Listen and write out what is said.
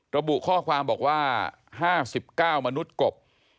ระบุข้อความบอกว่า๕๙มนุษย์กบ